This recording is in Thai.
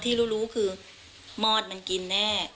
ที่รู้คือมอดมันกินแน่